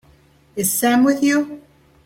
Is Sam with you?